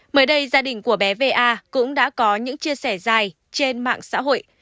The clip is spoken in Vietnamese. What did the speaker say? mới đây gia đình của bé v a cũng đã có những chia sẻ dài trên mạng xã hội